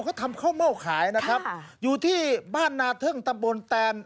เขาทำข้าวเม่าขายนะครับอยู่ที่บ้านนาทึ่งตำบลแตน